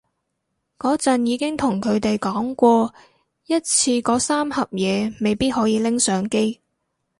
嗰陣已經同佢哋講過一次嗰三盒嘢未必可以拎上機